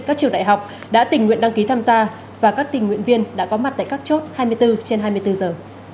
các trường đại học đã tình nguyện đăng ký tham gia và các tình nguyện viên đã có mặt tại các chốt hai mươi bốn trên hai mươi bốn giờ